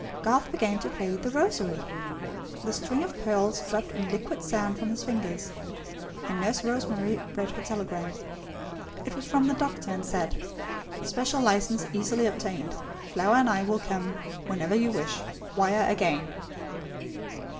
Garth began to play The Rosary. The string of pearls dropped in liquid sound from his fingers; and Nurse Rosemary read her telegram. It was from the doctor, and said: SPECIAL LICENSE EASILY OBTAINED. FLOWER AND I WILL COME WHENEVER YOU WISH. WIRE AGAIN.